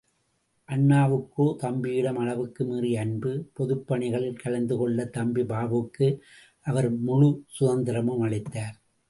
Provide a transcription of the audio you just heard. அண்ணாவுக்கோ தம்பியிடம் அளவுக்கு மீறிய அன்பு, பொதுப்பணிகளில் கலந்து கொள்ள தம்பி பாபுவுக்கு அவர் முழுச் சதந்திரமும் அளித்தார்.